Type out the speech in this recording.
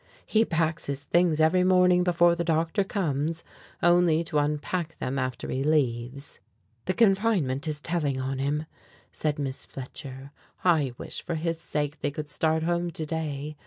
"He packs his things every morning before the doctor comes, only to unpack them after he leaves." "The confinement is telling on him," said Miss Fletcher. "I wish for his sake they could start home to day.